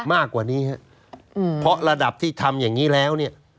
มากกว่านี้ฮะเพราะระดับที่ทำอย่างนี้แล้วเนี่ย